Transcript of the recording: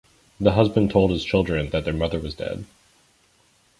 The husband told his children that their mother was dead.